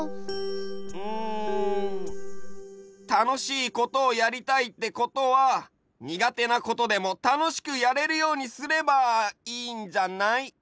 うんたのしいことをやりたいってことはにがてなことでもたのしくやれるようにすればいいんじゃない？